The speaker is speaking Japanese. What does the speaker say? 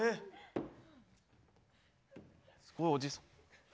すごいおじいさん。